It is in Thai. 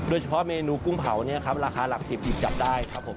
โดยเฉพาะเมนูกุ้งเผาเนี่ยครับราคาหลัก๑๐อีกจับได้ครับผม